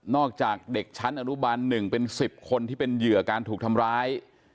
จากเด็กชั้นอนุบัน๑เป็น๑๐คนที่เป็นเหยื่อการถูกทำร้าย